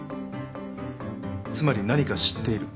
つまり何か知っている。